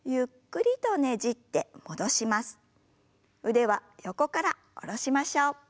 腕は横から下ろしましょう。